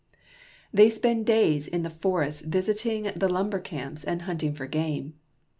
They spend days in the forests visiting the lum 5 6 PREFACE. ber camps and hunting for game.